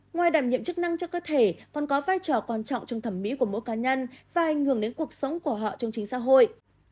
ngoài đảm nhiệm chức năng cho cơ thể còn có vai trò quan trọng trong thẩm mỹ của mỗi cá nhân và ảnh hưởng đến cuộc sống của họ trong chính xã hội